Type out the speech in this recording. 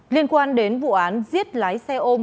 liên quan đến vụ án giết lái xe ôm